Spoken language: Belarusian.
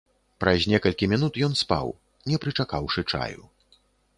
Праз некалькі мінут ён спаў, не прычакаўшы чаю.